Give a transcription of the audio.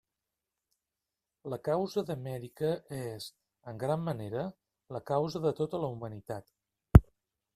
La causa d'Amèrica és, en gran manera, la causa de tota la humanitat.